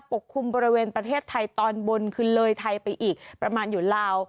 ปกคลุมบริเวณประเทศไทยตอนบนคือเลยไทยไปอีกประมาณอยู่ลาว